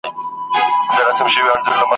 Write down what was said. ورځ یې شېبه وي شپه یې کال وي زما او ستا کلی دی `